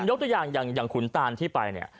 ยกตัวอย่างอย่างขุนตานที่ไปเนี่ย